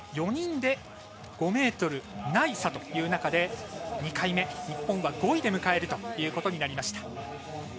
４人で５ｍない差という中で２回目、日本は５位で迎えるということになりました。